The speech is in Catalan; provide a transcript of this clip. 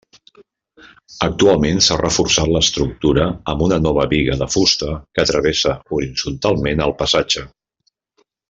Actualment s'ha reforçat l'estructura amb una nova biga de fusta que travessa horitzontalment el passatge.